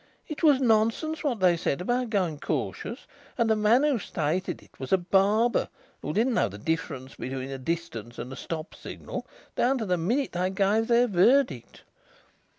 It was nonsense what they said about going cautious; and the man who stated it was a barber who didn't know the difference between a 'distance' and a 'stop' signal down to the minute they gave their verdict.